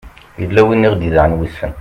yella win i aɣ-d-idɛan wissen